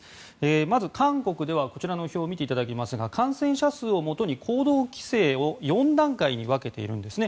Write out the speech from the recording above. まず、韓国では表を見ていただくと感染者数をもとに行動規制を４段階に分けているんですね。